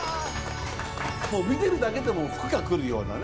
見てるだけでも福が来るようなね。